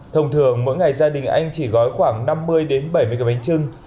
thông thường mỗi ngày gia đình anh chỉ gói khoảng năm mươi đến bảy mươi cái bánh chưng